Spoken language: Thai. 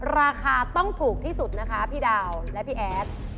ราคาต้องถูกที่สุดนะคะพี่ดาวและพี่แอด